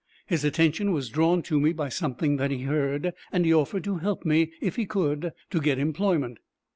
His attention was drawn to me by something that he heard, and he offered to help me, if he could, to get employment."